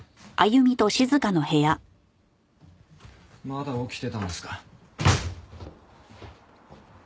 まだ起きてたんですか。